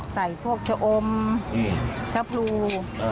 ใส่พวกชะอมชะพรู